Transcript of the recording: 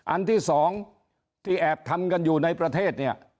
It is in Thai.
อันที่สองที่แอบทำกันอยู่ในประเทศเนี่ย